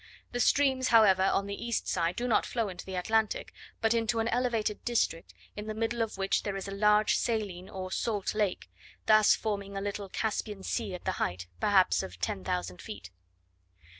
The streams, however, on the east side do not flow to the Atlantic, but into an elevated district, in the middle of which there is a large saline, or salt lake; thus forming a little Caspian Sea at the height, perhaps, of ten thousand feet.